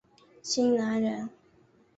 荆南人。